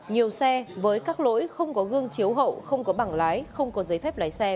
nhiều xe với các lỗi không có gương chiếu hậu không có bảng lái không có giấy phép lái xe